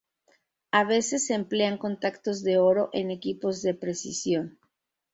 A veces se emplean contactos de oro en equipos de precisión.